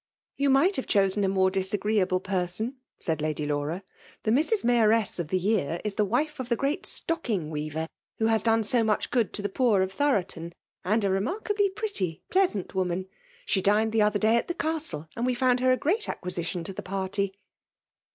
''" You might have dhosen a moxte disagree^ 120 JTKMALK llOMtNAtimr. Me person," and Lady Laura. " Hie Hbu. Mayoress of the year is t3ie wife of the great stoeking weaver, who has done so much gotod to the poor of Thoroton ; and a jremarkal^ pseity, pleasant woman. She dkied the otiier day at the castle> and we found her a great Bcqnisidon to the party.